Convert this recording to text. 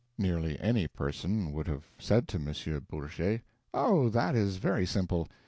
Nearly any person would have said to M. Bourget: "Oh, that is very simple.